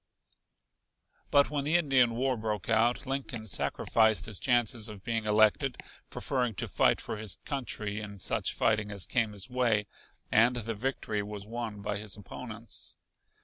But when the Indian war broke out Lincoln sacrificed his chances of being elected, preferring to fight for his country in such fighting as came his way, and the victory was won by his opponents.